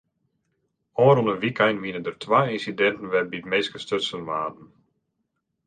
Ofrûne wykein wiene der twa ynsidinten wêrby't minsken stutsen waarden.